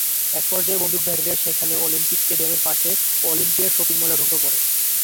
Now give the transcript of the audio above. একপর্যায়ে বন্দুকধারীরা সেখানকার অলিম্পিক স্টেডিয়ামের পাশে অলিম্পিয়া শপিং মলে ঢুকে পড়ে।